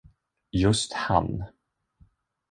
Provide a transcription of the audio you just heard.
Just han.